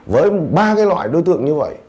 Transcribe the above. với ba cái loại đối tượng như vậy